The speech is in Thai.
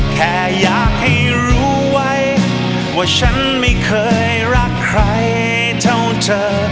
แค่อยากให้รู้ไว้ว่าฉันไม่เคยรักใครเท่าเธอ